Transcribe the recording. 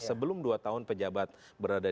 sebelum dua tahun pejabat berada